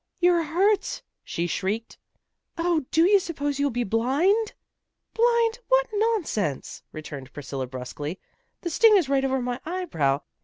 "You're hurt," she shrieked. "Oh, do you suppose you'll be blind?" "Blind! What nonsense," returned Priscilla brusquely. "The sting is right over my eyebrow."